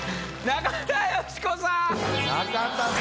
中田さん。